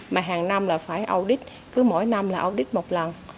mà hàng năm là phải audit cứ mỗi năm là audit một lần